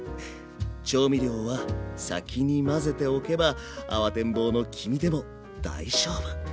調味料は先に混ぜておけば慌てん坊の君でも大丈夫。